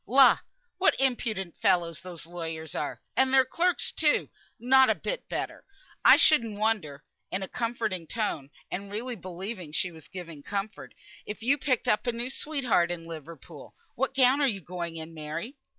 "La! what impudent fellows those lawyers are! And their clerks, too, not a bit better. I shouldn't wonder" (in a comforting tone, and really believing she was giving comfort) "if you picked up a new sweetheart in Liverpool. What gown are you going in, Mary?"